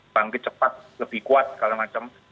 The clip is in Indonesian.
bangkit cepat lebih kuat segala macam